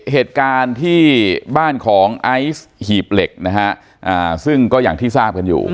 เหตุการณ์ที่บ้านของไอซ์หีบเหล็กนะฮะซึ่งก็อย่างที่ทราบกันอยู่